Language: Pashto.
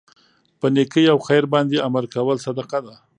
په نيکۍ او خیر باندي امر کول صدقه ده